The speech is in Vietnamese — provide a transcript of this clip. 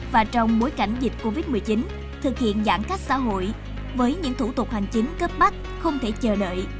và trong bối cảnh dịch covid một mươi chín thực hiện giãn cách xã hội với những thủ tục hành chính cấp bách không thể chờ đợi